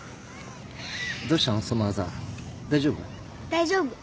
大丈夫。